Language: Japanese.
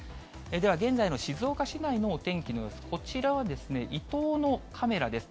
では現在の静岡市内のお天気の様子、こちらはですね、伊東のカメラです。